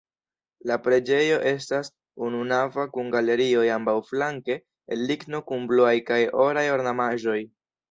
La preĝejo estas ununava kun galerioj ambaŭflanke el ligno kun bluaj kaj oraj ornamaĵoj.